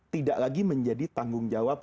tidak lagi menjadi tanggung jawab